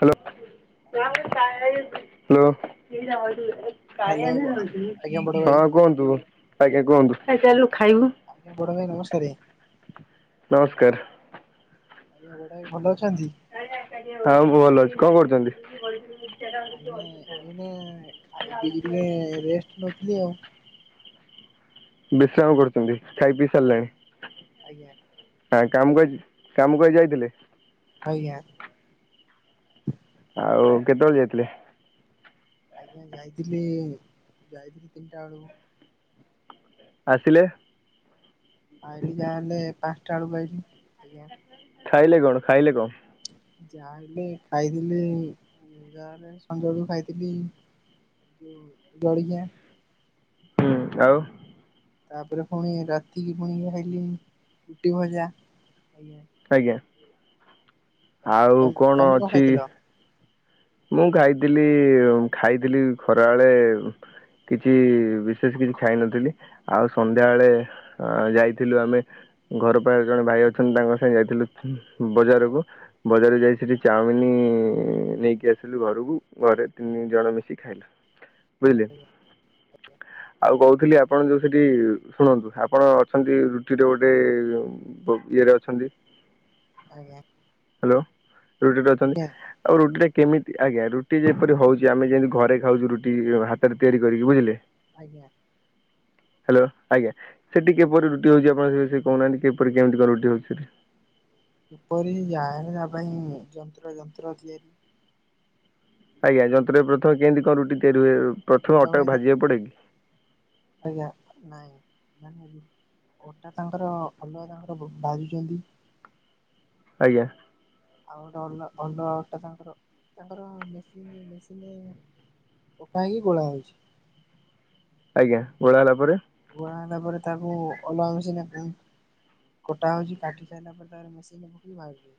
Hello ଆଜ୍ଞା। Hello. Hello ଆଜ୍ଞା ବଡ ଭାଇ ହଁ କୁହନ୍ତୁ, ଆଜ୍ଞା କୁହନ୍ତୁ, [unintelligible] ଆଜ୍ଞ ବଡ ଭାଇ [unintelligible] ନମସ୍କାର। ବଡ ଭାଈ ଭଲ ଅଛନ୍ତି? ହଉ ଭଲ ଅଛି କଣ କରୁଛନ୍ତି? ଆଜ୍ଞା ଏଇନେ ଖାଇ ପିଇକି ଟିକେ ରେଷ୍ଟ ନୋଉଥିଲି ଆଉ। ବିଶ୍ରାମ କରୁଛନ୍ତି ଖାଇ ପିଇ ସାରିଲାଣି? ଆଜ୍ଞା ଆଜ୍ଞା ହଁ କାମ କରି କାମ କରି ଯାଇଥିଲେ? ଆଜ୍ଞା। ଆଉ କେତେବେଳେ ଯାଇଥିଲେ? ଆଜ୍ଞା ଯାଇଥିଲି ଯାଇଥିଲି ତିନିଟା ବେଳକୁ। ଆସିଲେ? ଆଲି ଯାହାହେଲେ ପାଞ୍ଚଟା ବେଳକୁ ଆଇଲି ଆଜ୍ଞା। ଖାଇଲେ କଣ ଖାଇଲେ କଣ? ଯାହା ହେଲେ ଖାଇଥିଲି ଯାହା ହେଲେ ସଞ ବେଳକୁ ଖାଇଥିଲି। ଜଳଖିଆ। ହୁଁ ଆଉ। ତାପରେ ପୁଣି ରାତିକି ପୁଣି ଖାଇଲି ରୁଟି ଭଜା ଆଜ୍ଞା। ଆଜ୍ଞା ଆଜ୍ଞା ଆଉ କଣ ତମେ ଅଛି ଖାଇଥିଲ? ମୁଁ ଖାଇଥିଲି ଖାଇଥିଲି ଖରା ବେଳେ କିଛି ବିଶେଷ କିଛି ଖାଇ ନଥିଲି ଆଉ ସନ୍ଧ୍ୟାବେଳେ ଅ ଯାଇଥିଲୁ ଆମେ ଘର ପାଖରେ ଜଣେ ଭାଇ ଅଛନ୍ତି ତାଙ୍କ ସାଙ୍ଗେ ଯାଇଥିଲୁ ବଜାରକୁ। ବଜାରକୁ ଯାଇଥିଲି ଚାଉମିନ ନେଇକି ଆ ଥିଲୁ ଘରକୁ ଘରେ ତିନି ଜଣ ମିଶି ଖାଇଲେ ବୁଝିଲେ। ଆଜ୍ଞା ଆଉ କହୁଥିଲି ଆପଣ ଯୋଉଁ ସେଠି ଶୁଣନ୍ତୁ ଆପଣ ଅଛନ୍ତି ରୁଚିରେ ଗୋଟେ ଇଏରେ ଅଛନ୍ତି। ଆଜ୍ଞା। ହ୍ୟାଲୋ ରୁଟି ଅଛନ୍ତି ଆଜ୍ଞା ଆଉ ରୁଟିଟା କେମିତି ଆଜ୍ଞା ରୁଟି ଯେପରି ହଉଛି ଆମେ ଯେମିତି ଘରେ ଖାଉଛୁ ରୁଟି ହାତରେ ତିଆରି କରିକି ବୁଝିଲେ। ଆଜ୍ଞା। ହ୍ୟାଲୋ ଆଜ୍ଞା ସେଠି କିପରି ରୁଟି ହେଉଛି ଆପଣଙ୍କ ସେ ବି ସେ କହୁନାହାନ୍ତି କେପରି କେମିତି କଣ ରୁଟି ହେଉଛି ସେଠି? କିପରି ଜାଣିବା ପାଇଁ ଯନ୍ତ୍ର ଯନ୍ତ୍ର ତିଆରି ଆଜ୍ଞା ଯନ୍ତ୍ରରେ ପ୍ରଥମେ କେମିତି କଣ ରୁଟି ତିଆରି ହୁଏ। ପ୍ରଥମେ ବଡ ଭାଇ ଅଟାକୁ ତା ଭାଜିବାକୁ ପଡେ କି? ଆଜ୍ଞା ନାଇଁ [unintelligible] ଅଟା ତାଙ୍କର ଅଲଗା ତାଙ୍କର ବୋ ଭାଜୁଚନ୍ତି। ଆଜ୍ଞା। ଆଉ ଗୋଟେ ଅଲ ଅଲଗା ଅଟା ତାଙ୍କର ତାଙ୍କର ମେସିନି ମେସିନି ପକା ହେଇକି ଗୋଳା ହୋଉଚି? ଆଜ୍ଞା ଗୋଳା ହେଲା ପରେ ଗୋଳା ହେଲା ପରେ ତାକୁ ଅଲଗା ମେସିନରେ [unintelligible] କଟା ହଉଚି କାଟି ସାଇଲା ପରେ ତାପରେ ମେସିନ ପକେଇ ଭାରିବେ।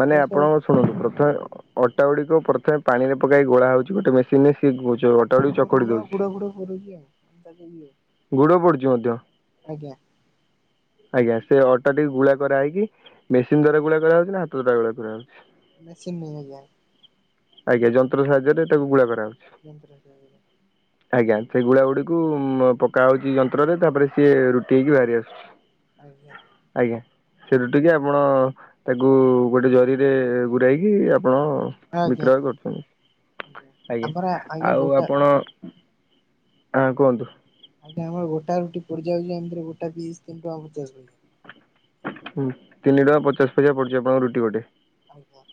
ମାନେ ଆପଣଙ୍କ ଶୁଣନ୍ତୁ ପ୍ରଥମେ ଅଟା ଗୁଡିକ ପ୍ରଥମେ ପାଣିରେ ପକା ହେଇ ଗୋଳା ହଉଛି ଗୋଟେ ମେସିନରେ ସିଏ ଗୁ ଯୋଉ ଅଟ୍ ଯୋଉ ନୁଣ ଆଉ ଗୁଡ଼ ଫୁଡ଼ ପୁରେଇକି ଆଉ [unintelligible] ଗୁଡ଼ ପଡୁଛି ମଧ୍ୟ। ଆଜ୍ଞା। ଆଜ୍ଞା ସେ ଅଟା ଟିକେ ଗୁଳା କରା ହେଇକି ମେସିନ୍ ଦ୍ଵାରା ଗୁଳା କରାହାଉଚି ନା ହାତ ଦ୍ଵାରା ଗୁଳା କରାହଉଚି? ମେସିନି ଆଜ୍ଞା। ଆଜ୍ଞା ଯନ୍ତ୍ର ସାହାଯ୍ୟରେ ତାକୁ ଗୁଳା କରାହଉଚି। ଯନ୍ତ୍ର ସାହାଯ୍ୟରେ। ଆଜ୍ଞା ସେ ଗୁଳା ଗୁଡିକୁ ଉଁ ପକା ହଉଚି ଯନ୍ତ୍ରରେ ତାପରେ ସିଏ ରୁ ଟି ହେଇକି ବାହାରି ଆଜ୍ଞା ଆସୁଚି ଆଜ୍ଞା ଆଜ୍ଞା। ସେଇଠୁ ଟିକେ ଆପଣ ତାକୁ ଗୋଟେ ଜରିରେ ଗୁୁରାହେଇକି ଆପଣ ଆଜ୍ଞା ବିକ୍ରୟ ଆଜ୍ଞା। କରୁଚନ୍ତି। ଆମର ଆଜ୍ଞା ଆଉ ଗୋଟା ଆପଣ ହଁ କୁହନ୍ତୁ। ଆଜ୍ଞା ଆମର ଗୋଟାଏ ରୁଟି ପୋଡିଯାଉଛି ଏମ୍ତିରେ ଗୋଟା ପିସ୍ ତିନି ଟଙ୍କା ପଚାଶ୍ ପଇସା। ହୁଁ ତିନି ଟଙ୍କା ପଚାଶ୍ ପଇସା ପଡୁଛି ଆପଣଙ୍କ ରୁଟି ଗୋଟେ? ଆଜ୍ଞା।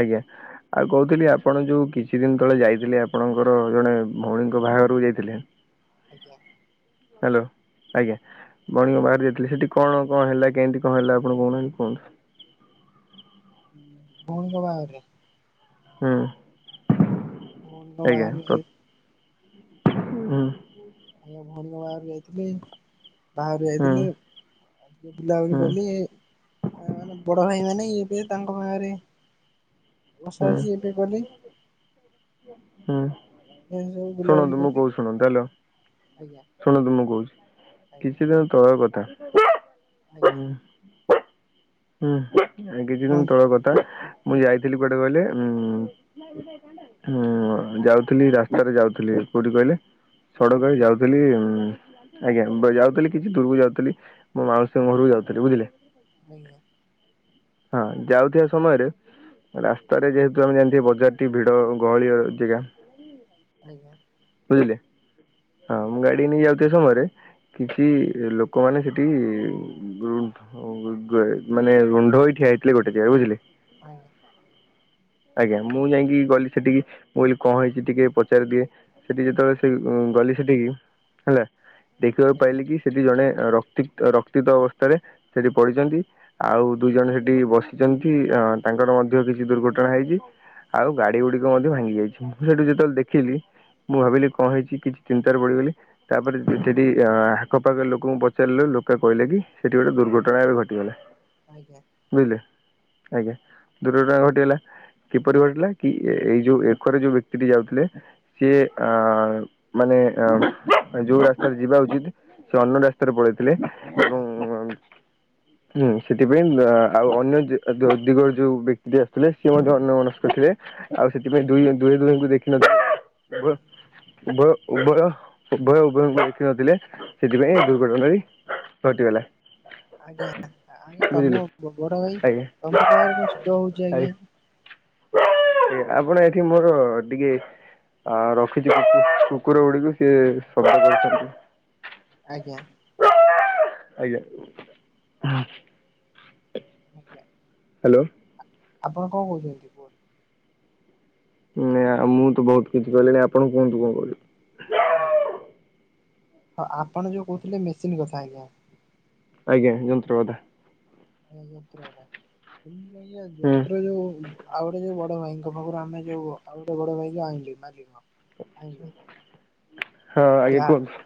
ଆଜ୍ଞା। ଆଉ କହୁଥିଲି ଆପଣ ଯୋଉ କିଛି ଦିନ୍ ତଳେ ଯାଇଥିଲେ ଆପଣଙ୍କର ଜଣେ ଭଉଣୀଙ୍କ ବାହାଘରକୁ ଯାଇଥିଲେ। ଆଜ୍ଞା। ହ୍ୟାଲୋ ଆଜ୍ଞା। ବନିଙ୍କ ବାହାରୁ ଯାଇଥିଲେ ସେଠି କଣ କଣ ହେଲା କେନ୍ତି କଣ ହେଲା ଆପଣ କହୁନାହାନ୍ତି କୁହନ୍ତୁ? ଉଁହୁଁ ଭଉଣୀଙ୍କ ବାହାଘରରେ ହୁଁ। ଭଉଣୀଙ୍କ ଆଜ୍ଞା ପ୍ର ବାହାଘରରେ ହୁଁ। ଆଜ୍ଞା ଭଉଣୀଙ୍କ ବାହାଘରୁ ଯାଇଥିଲି। ବାହାଘରକୁ ହୁଁ ଯାଇଥିଲି ହୁଁ ଆଉ ଟିକେ ବୁଲାବୁଲି ହୁଁ କଲି। ଆ ମାନେ ବଡଭାଇ ମାନେ ଇବେ ତାଙ୍କ ଭାରେ ବସାବସି ଏ ଟିକେ କଲି। ହୁଁ ଏ ସବୁ ବୁଲାବୁଲି ଶୁଣନ୍ତୁ ମୁଁ କଲି କହୁଚି ଶୁଣନ୍ତୁ ହ୍ୟାଲୋ? ଆଜ୍ଞା ଶୁଣନ୍ତୁ ମୁଁ କହୁଚି ଆଜ୍ଞା କିଛି ଦିନ ତଳର କଥା ଆଜ୍ଞା। ହୁଁ ହୁଁ ଏ କିଛି ଦିନ କୁହନ୍ତୁ ତଳ କଥା ମୁଁ ଯାଇଥିଲି କୁଆଡେ କହିଲେ ଉଁ ହୁଁ ଯାଉଥିଲି ରାସ୍ତାରେ ଯାଉଥିଲି କୋଉଠି କହିଲେ କୋଉଠି ସଡ଼କରେ ଯାଉ ଥେଲି ଉଁ ଆଜ୍ଞା ବ ଯାଉଥିଲି କିଛି ଦୂରୁକୁ ଯାଉଥେଲି ମୋ ମାଉସୀଙ୍କ ଘରକୁ ଯାଉଥେଲି ବୁଝିଲେ ଆଜ୍ଞା। ହଁ ଯାଉଥିବା ସମୟରେ ରାସ୍ତାରେ ଯେହେତୁ ଆମେ ଜାଣିଥିବେ ବଜାରଟି ଭିଡ ଗହଳି ଜେଗା ଆଜ୍ଞା। ବୁଝିଲେ ହଁ ମୁଁ ଗାଡି ନେଇ ଯାଉଥିବା ସମୟରେ କିଛି ଲୋକମାନେ ସେଠି ଗୃଣ୍ଢ [unintelligible] ମାନେ ରୁଣ୍ଢ ହୋଇ ଠିଆ ହେଇଥିଲେ ଗୋଟେ ଜେଗା ବୁଝିଲେ ଆଜ୍ଞା। ଆଜ୍ଞା ମୁଁ ଯାଇକି ଗଲି ସେଠିକି, ମୁଁ କହିଲି କଣ ହେଇଛି ଟିକେ ପଚାରିଦିଏ। ସେଠି ଯେତେବେଳେ ସେ ଗଲି ସେଠିକି ହେଲା। ଦେଖିବାକୁ ପାଇଲି କି? ସେଠି ଜଣେ ରକ୍ତି ରକ୍ତିିତ ଅବସ୍ଥାରେ ସେଠି ପଡ଼ିଚନ୍ତି। ଆଉ ଦୁଇ ଜଣ ସେଠି ବସିଚନ୍ତିମ। ଅ ତାଙ୍କର ମଧ୍ୟ କିଛି ଦୁର୍ଘଟଣା ଣା ହେଇଚି ଆଉ ଗାଡି ଆଜ୍ଞା ଗୁଡିକ ମଧ୍ୟ ଭାଙ୍ଗି ଯାଇଚି। ସେଠୁ ଯେତେବେଳେ ଦେଖିଲି, ମୁଁ ଭାବିଲି କଣ ହେଇଛି କିଛି ଚିନ୍ତାରେ ପଡିଗଲି ତାପରେ ଆଜ୍ଞା ସେଠି କି ଆଖପାଖ ଲୋକଙ୍କୁ ପଚାରିଲୁ ଲୋକେ କହିଲେ କି ସେଠି ଗୋଟେ ଦୁର୍ଘଟଣା ଏବେ ଘଟିଗଲା। ଆଜ୍ଞା। ବୁଝିଲେ, ଆଜ୍ଞା ଦୁର୍ଘଟଣା ଘଟିଗଲା। କିପରି ଘଟିଲା କି, ଏଇ ଯୋଉ ଏକରେ ଯୋଉ ବ୍ୟକ୍ତିଟି ଯାଉଥିଲେ ସିଏ ଆ ମାନେ ଯୋଉ ରାସ୍ତାରେ ଯିବା ଉଚିତ, ସେ ଅନ୍ୟ ରାସ୍ତା ରେ ପଳେଇଥିଲେ ଏବଂ ଆଜ୍ଞା ହୁଁ ସେଥିପାଇଁ ଆଉ ଅନ୍ୟ ଯ ଦିଗରେ ଯୋଉ ବ୍ୟକ୍ତିଟି ଆସୁଥିଲେ ସିଏ ମଧ୍ୟ ଅନ୍ୟ ମନସ୍କରେ ଆଉ ସେଥିପାଇଁ ଦୁଇ ଦୁହେଁ ଦୁହିଁଙ୍କୁ ଦେଖିନ ପ ଉଭୟ ଉଭୟ ଉଭୟ ଉଭୟଙ୍କୁ ଦେଖିନଥିଲେ। ସେଥିପାଇଁ ଦୁର୍ଘଟଣା ଟି ଘଟିଗଲା। ଆଜ୍ଞା ଆଜ୍ଞା ବୁଝିଲେ ତମ ବଡ ଭାଇ ଆଜ୍ଞା ତମ ପାଖରେ କଣ ସୁଭା ହଉଛି ଆଜ୍ଞା। ଆପଣ ଏଠି ମୋର ଟିକେ ଆଉ ରଖିଚି ଟିକେ କୁକୁର ଗୁଡିକୁ ସିଏ ଶବ୍ଦ କରଚନ୍ତି। ଆଜ୍ଞା। ଆଜ୍ଞା ହୁଁ। ଆଜ୍ଞା। ହ୍ୟାଲୋ। ଆପଣ କଣ କହୁଛନ୍ତି କୁହ। ନଁ ଆଉ ମୁଁ ତ ବହୁତ କିଛି କହିଲିଣି ଆପଣ କୁହନ୍ତୁ କଣ କହିବେ। ଆଜ୍ଞା ହଁ ଆପଣ ଯୋଉ କହୁଥିଲେ ମେସିନ୍ ବସିଥିଲା ଆଜ୍ଞା। ଆଜ୍ଞା ଯନ୍ତ୍ରକଥା। ଆଉ ଯନ୍ତ୍ର କଥା [unintelligible] ହୁଁ ଯନ୍ତ୍ର ଯୋଉ ଆଉ ଗୋଟେ ଯୋଉ ବଡ ଭାଇଙ୍କ ପାଖରୁ ଆମେ ଯୋଉ ଆଉ ଗୋଟେ ବଡ ଭାଇ ଯୋଉ ଆଣ ଆଣିଲି ମାଗିକିନା ଆଣିଲେ। ହଁ ଆଜ୍ଞା କୁହନ୍ତୁ।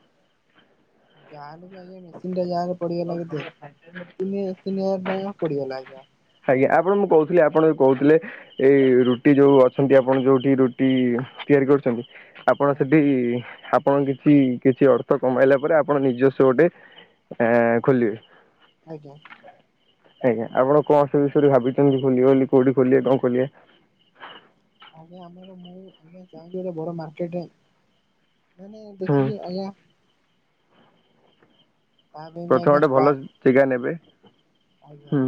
ଗାଁ ରେ ବି ଆଜ୍ଞା ମେସିନ୍ ଟା ଯାହେନେ ପଡ଼ିଗଲା କେତେ ତିନି ହ ତିନି ହଜାର ଟଙ୍କା ପଡ଼ିଗଲା ଆଜ୍ଞା। ଆଜ୍ଞା ଆପଣ ମୁଁ କହୁଥିଲି ଆପଣ ବି କହୁଥିଲେ। ଏଇ ରୁଟି ଯୋଉ ଅଛନ୍ତି ଆପଣ ଯୋଉଠି ରୁଟି ତିଆରି କରୁଚନ୍ତି। ଆପଣ ସେଠି ହା ଆପଣ କିଛି କିଛି ଅର୍ଥ କମାଇଲା ପରେ ଆପଣ ନିଜସ୍ୱ ଗୋଟେ ଏ ଖୋଲିବେ। ଆଜ୍ଞା। ଆଜ୍ଞା ଆପଣ କଣ ସେ ବିଷୟରେ ଭାବିଛନ୍ତି ଖୋଲିବେ ବୋଲି କୋଉଠି ଖୋଲିବେ କଣ ଖୋଲିବେ। ଆଜ୍ଞା ଆମର ମୁଁ ଆଜ୍ଞା ଚାହୁଁଛି ଗୋଟେ ବଡ ମାର୍କେଟ ମାନେ ହୁଁ। ଦେଖିକି ଆଜ୍ଞା। ତା ପାଇଁ ବି ପ୍ରଥମେ ଆଜ୍ଞା ଗୋଟେ ଭଲ ଷ୍ଟାଫ ଜେଗା ନେବେ। ଆଜ୍ଞା ହୁଁ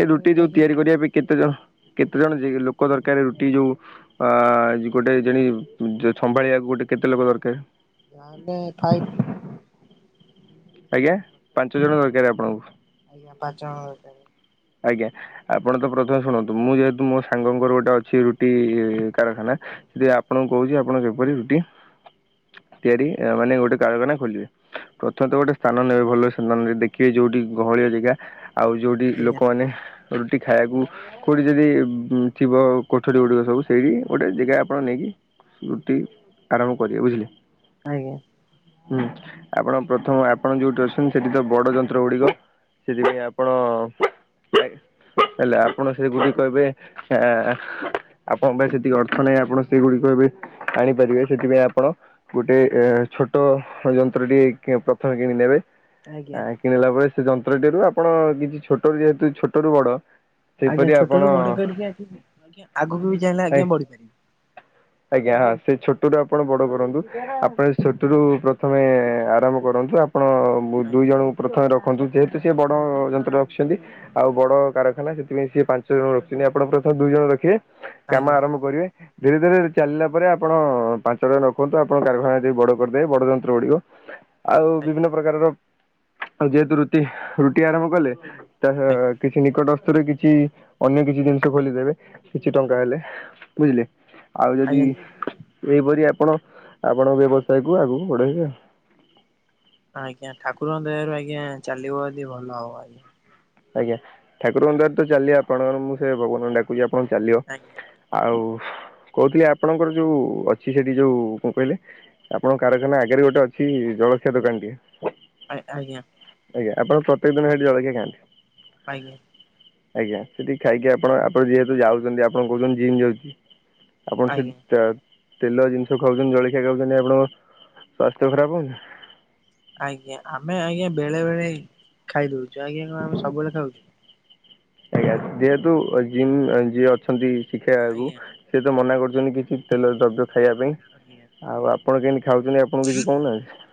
ଏଇ ରୁଟି ନେଇକି ଯୋଉ ତିଆରି ଆଜ୍ଞା କରିବା ପାଇଁ କେତେ ଜଣ। କେତେ ଜଣ ଲୋକ ଦରକାର ରୁଟି ଯୋଉ ଅ ଗୋଟେ ଜଣି ସମ୍ଭାଳିଆକୁ ଗୋଟେ କେତେ ଲୋକ ଦରକାର। ଯାହେନେ ଫାଇପ୍ ଆଜ୍ଞା ପାଞ୍ଚ ଜଣ ଦରକାର ଆପଣଙ୍କୁ। ଆଜ୍ଞା ପାଞ୍ଚ ଜଣ ଦରକାର। ଆଜ୍ଞା। ଆପଣ ତ ପ୍ରଥମେ ଶୁଣନ୍ତୁ ମୁଁ ଯେହେତୁ ମୋ ସାଙ୍ଗଙ୍କର ଗୋଟେ ଅଛି ରୁଟି କାରଖାନା। ସେଠି ଆପଣଙ୍କୁ କହୁଛି ଆପଣଙ୍କ ଯେପରି ରୁଟି ତିଆରି ମାନେ ଗୋଟେ କାରଖାନା ଖୋଲିବେ। ପ୍ରଥମତଃ ଗୋଟେ ସ୍ଥାନ ନେବେ ଭଲ [unintelligible] ଦେଖିବେ ଯୋଉଠି ଗହଳିଆ ଜେଗା ଆଉ ଯୋଉଠି ଆଜ୍ଞା ଲୋକମାନେ ରୁଟି ଖାଇଆକୁ କୋଉଠି ଯଦି ଥିବ କୋଠରୀ ଗୁଡିକ ସବୁ ସେଇଠି ଗୋଟେ ଜେଗା ଆପଣ ନେଇକି ରୁଟି ଆରମ୍ଭ କରିବେ ବୁଝିଲେ? ଆଜ୍ଞା। ହୁଁ ଆପଣ ପ୍ରଥମ ଆପଣ ଯୋଉଠି ଅଛନ୍ତି ସେଠି ତ ବଡ ଯନ୍ତ୍ର ଗୁଡିକ ସେଥିପାଇଁ ଆପଣ ହେଲେ ଆପଣ ସେ ଗୁଡିକ ଏବେ ଆ ଆପଣଙ୍କ ପାଇଁ ସେତିକି ଅର୍ଥ ନାହିଁ ଆପଣ ସେଗୁଡିକ ଏବେ ଆଣିପାରିବେ ସେଥିପାଇଁ ଆପଣ ଗୋଟେ ଛୋଟ ଯନ୍ତ୍ରଟିଏ କି ପ୍ରଥମେ କିଣି ନେବେ। ଆଜ୍ଞା ଆ କିଣିଲା ପରେ ସେ ଯନ୍ତ୍ରଟିରୁ ଆପଣ କିଛି ଛୋଟରୁ ଯେହେତୁ ଛୋଟରୁୁ ବଡ ଆଜ୍ଞା ସେହିପରି ଛୋଟ ଆପଣ ରୁ ବଡ କରିକି ଆଜ୍ଞା ଆଗକୁ ବି ଚାଇଁଲେ ଆଜ୍ଞା ବଢିପାରିବି। ଆଜ୍ଞା ହଁ ସେ ଛୋଟ ରୁ ଆପଣ ବଡ କରନ୍ତୁ। ଆପଣ ଛୋଟରୁୁ ପ୍ରଥମେ ଆରାମ୍ଭ କଡନ୍ତୁ ଆ ମୁ ଦୁଇ ଆଜ୍ଞା ଜଣଙ୍କୁ ପ୍ରଥମେ ରଖନ୍ତୁ। ଯେହେତୁ ସେ ବଡ ଯନ୍ତ୍ର ରଖିଛନ୍ତି। ଆଉ ବଡ କାରଖାନା ସେଥିପାଇଁ ସିଏ ପାଞ୍ଚ ଜଣ ରଖିଛନ୍ତି, ଆପଣ ପ୍ରଥମେ ଦୁଇ ଜଣ ରଖିବେ। କାମ ଆଜ୍ଞା ଆରମ୍ଭ କରିବେ। ଧୀରେ ଧୀରେ ଚାଲିଲା ପରେ ଆପଣ ପାଞ୍ଚ ଜଣ ରଖନ୍ତୁ। ଆପଣ କାରଖାନା ଯଦି ବଡ଼ କରିଦେବେ। ବଡ଼ ଯନ୍ତ୍ର ଗୁଡ଼ିକ ଆଉ ଆଜ୍ଞା ବିଭିନ୍ନ ପ୍ରକାରର ଯେହେତୁ ରୁଟି ରୁଟି ଆରମ୍ଭ କଲେ ତା ଆଜ୍ଞା କିଛି ନିକଟସ୍ତ ରେ କିଛି ଅନ୍ୟ କିଛି ଜିନିଷ ଖୋଲିଦେବେ କିଛି ଟଙ୍କା ଆଜ୍ଞା। ହେଲେ। ବୁଝିଲେ? ଆଉ ଯଦି ଆଜ୍ଞା ଏହିପରି ଆପଣ ଆପଣଙ୍କ ବ୍ୟବସାୟ କୁ ଆଗକୁ ବଢେଇବେ ଆଉ। ଆଜ୍ଞା ଠାକୁରଙ୍କ ଦୟାରୁ ଆଜ୍ଞା ଚାଲିବ ଯଦି ଭଲ ହବ ଆଜ୍ଞା। ଆଜ୍ଞା ଠାକୁରଙ୍କ ଦୟାରୁ ତ ଚାଲ ଆପଣଙ୍କର। ମୁଁ ସେୟା ଭଗବାନଙ୍କୁ ଡାକୁଚି ଆପଣଙ୍କ ଚାଲିବ। ଆଜ୍ଞା। ଆଉ କହୁଥିଲି ଆପଣଙ୍କର ଯୋଉ ଅଛି ସେଠି ଯୋଉ କଣ କହିଲେ ଆପଣଙ୍କ କାରଖାନା ଆଗରେ ଗୋଟେ ଅଛି ଜଳଖିଆ ଦୋକାନ ଟିଏ। ଆ ଆଜ୍ଞା। ଆଜ୍ଞ ଆପଣ ପ୍ରତେକ ଦିନ ହେଠି ଜଳଖିଅଆ ଖାଆନ୍ତି? ଆଜ୍ଞା। ଆଜ୍ଞା ସେଠିକି ଖାଇକି ଆପଣ ଆପଣ ଯେହେତୁ ଯାଉଚନ୍ତି ଆପଣ କହୁଚନ୍ତି ଜିମ୍ ଯାଉଚି ଆପଣ ଆଜ୍ଞା ସେଟି ତେଲ ଜିନିଷ ଖାଉଚନ୍ତି ଜଳଖିଆ ଖାଉଚନ୍ତି ଆପଣଙ୍କ ସ୍ୱାସ୍ଥ୍ୟ ଖରାପ ହେଉନି? ଆଜ୍ଞା ଆମେ ଆଜ୍ଞା ବେଳେ ବେଳେ ଖାଇଦଉଚୁ। ଆଜ୍ଞା କଣ ଆମେ ସବୁବେଳେ ଖାଉଚୁ? ଆଜ୍ଞା ଯେହେତୁ ଜିମ୍ ଯିଏ ଅଛନ୍ତି ଶିଖେଇବାକୁ ଆଜ୍ଞା ସିଏ ତ ମନା କରୁଚନ୍ତି କି ତେଲ ଦ୍ରବ୍ୟ ଖାଇବା ପାଇଁ ଆଜ୍ଞା ଆଉ ଆପଣ କେମିତି ଖାଉଚନ୍ତି ଆପଣଙ୍କୁ କିଛି କହୁନାହାନ୍ତି?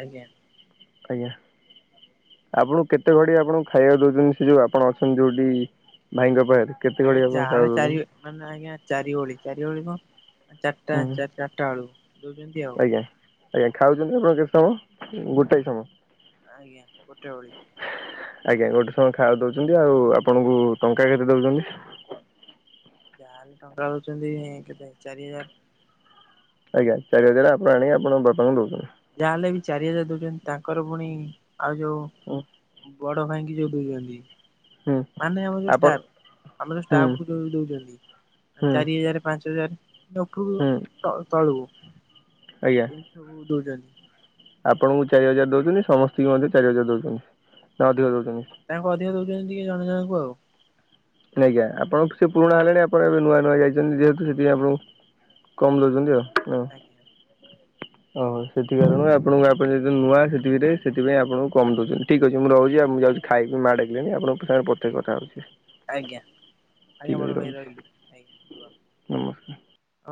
ଆଜ୍ଞା। ଆଜ୍ଞା। ଆପଣଙ୍କୁ କେତେ ଘଡି ଆପଣଙ୍କୁ ଖାଇବାକୁ ଦଉଚନ୍ତି ସେ ଯୋଉ ଆପଣ ଅଛନ୍ତି ଯୋଉଠି ଭାଇଙ୍କ ପାଖରେ? କେତେ ଆଜ୍ଞା ଘଡ଼ି ଆପଣଙ୍କୁ ଯାହା ହେ ଖାଇବାକୁ ଚାରି ଦେଉଛନ୍ତି ମାନେ ଆଜ୍ଞା ଚାରି ଓଳି ଚାରିଓଳି କଣ ଚାରିଟା ହୁଁ ଚାରିଟା ବେଳକୁ ଦଉଚନ୍ତି ଆଉ। ଆଜ୍ଞା ଆଜ୍ଞା ଖାଉଚନ୍ତି ଆପଣ କେତେ ସମୟ ଗୋଟାଏ ସମୟ? ଆ ଆଜ୍ଞା ଗୋଟେ ଓଳି। ଆଜ୍ଞା ଗୋଟେ ସମୟ ଖାଇବା ଦଉଚନ୍ତି ଆଉ ଆପଣଙ୍କୁ ଟଙ୍କା କେତେ ଦଉଚନ୍ତି? ଯାହାହେଲେ ଟଙ୍କା ଦଉଚନ୍ତି କେତେ ଚାରି ହଜାର। ଆଜ୍ଞା ଚାରିହଜାର ଆପଣ ଆଣି ଆପଣଙ୍କ ବାପା ଙ୍କୁ ଦଉଚନ୍ତି? ଯାହାହଲେ ବି ଚାରି ହଜାର ଦଉଚନ୍ତି ତାଙ୍କର ପୁଣି ଆଉ ଯୋଉ ହୁଁ ବଡ ଭାଇଙ୍କି ଯୋଉ ଦଉଚନ୍ତି। ହୁଁ ମାନେ ଆମର ଯୋ ଆପଣ ଷ୍ଟାଫ ଆମର ଯୋଉ ହୁଁ ଷ୍ଟାଫ୍ କୁ ଦୋ ଦଉଚନ୍ତି। ହୁଁ ଚାରି ହଜାର ପାଞ୍ଚ ହଜାର। [unintelligible] ତଳକୁ ହୁଁ ଆଜ୍ଞା ଏମିତି ସବୁ ଦଉଚନ୍ତି। ଆପଣଙ୍କୁ ଚାରି ହଜାର ଦଉଚନ୍ତି ସମସ୍ତଙ୍କୁ ମଧ୍ୟ ଚାରି ହଜାର ଦଉଚନ୍ତି। ନା ଅଧିକ ଦଉଚନ୍ତି? ତାଙ୍କୁ ଅଧିକା ଦଉଚନ୍ତି ଟିକେ ଜଣ ଜଣଙ୍କୁ ଆଉ। ଆଜ୍ଞା ଆପଣ ସେ ପୁରୁଣା ହେଲେଣି। ପଣ ଏବେ ନୂଆ ନୂଆ ଯାଇଛନ୍ତି ଯେହେତୁ ସେଥିପାଇଁ ଆପଙ୍କୁ କମ୍ ଦଉଚନ୍ତି ଆଉ। ଆଜ୍ଞା ଓହୋ ସେଥି କାରଣରୁ ଆପଣଙ୍କୁ ଆପଣ ଯଦି ନୂଆ ସେଠିରେ ସେଥିପାଇଁ ଆପଣଙ୍କୁ କମ ଦଉଚନ୍ତି। ଠିକ୍ ଅଛି ମୁଁ ରହୁଚି ଆ ମୁଁ ଯାଉଚି ଖାଇକି ମା ଡକିଲେଣି ଆପଣଙ୍କ ସାଙ୍ଗରେ ପଛେ କଥା ହେଉଚି। ଆଜ୍ଞା ଆଜ୍ଞା ବଡ ଭାଇ ରହିଲି ଆଜ୍ଞା। ନମସ୍କାର।